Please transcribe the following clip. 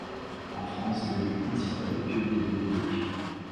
En France, le lieu principal de culte est Maubeuge.